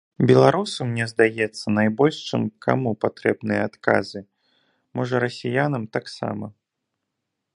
Беларусу, мне здаецца, найбольш чым каму патрэбныя адказы, можа расіянам таксама.